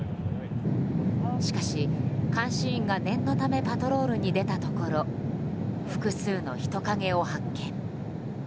しかし、監視員が念のためパトロールに出たところ複数の人影を発見。